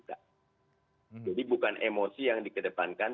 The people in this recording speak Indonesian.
jadi bukan emosi yang dikedepankan